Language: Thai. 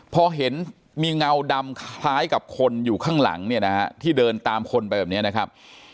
พอเห็นมีเงาดำคล้ายกับคนอยู่ข้างหลังเนี่ยนะฮะที่เดินตามคนไปแบบนี้นะครับ